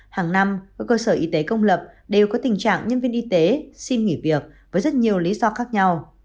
hàng năm các cơ sở y tế công lập đều có tình trạng nhân viên y tế xin nghỉ việc với rất nhiều lý do khác nhau